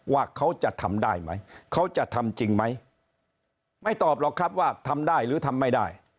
ว่าเขาจะทำได้ไหมเขาจะทำจริงไหมไม่ตอบหรอกครับว่าทำได้หรือทำไม่ได้